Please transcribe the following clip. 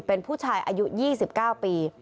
เป็นผู้ชายอายุ๒๙ปี